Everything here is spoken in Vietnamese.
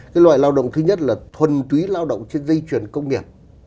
cái loại lao động thứ nhất là thuần túy lao động trên dây chuyển công nghiệp